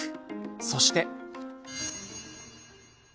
そして。